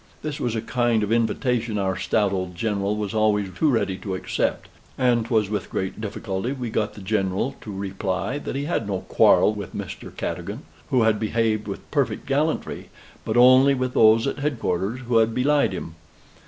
This was a kind of invitation our stout old general was always too ready to accept, and 'twas with great difficulty we got the General to reply that he had no quarrel with Mr. Cadogan, who had behaved with perfect gallantry, but only with those at head quarters, who had belied him.